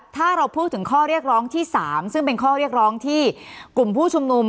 ถ้าเราพูดถึงข้อเรียกร้องที่๓ซึ่งเป็นข้อเรียกร้องที่กลุ่มผู้ชุมนุม